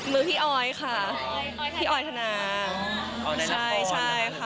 มือพี่ออยค่ะพี่ออยธนา